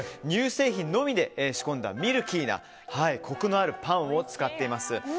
乳製品のみで仕込んだミルキーなコクのあるパンを使っています。